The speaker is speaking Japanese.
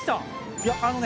いやあのね